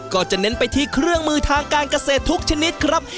ก็จะเน้นไปที่เครื่องมือทางการเกษตรทุกชนิดครับ